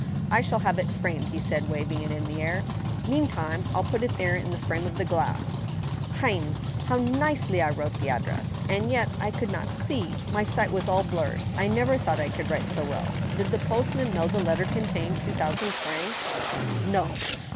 " I shall have it framed," he said, waving it in the air. Mean time, I'll put it there in the frame of the glass. ... Hein / how nicely I wrote the address !— and yet I could not see ; my sight was all blurred. I never thought I could write so well. Did the post man know the letter contained two thousand francs ?"" No."